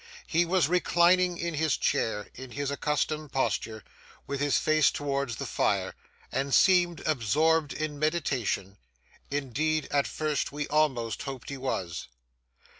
He was reclining in his chair, in his accustomed posture, with his face towards the fire, and seemed absorbed in meditation,—indeed, at first, we almost hoped he was.